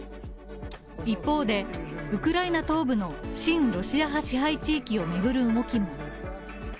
一方で、ウクライナ東部の親ロシア派支配地域を巡る動きも。